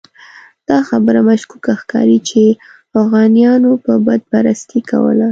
دا خبره مشکوکه ښکاري چې اوغانیانو به بت پرستي کوله.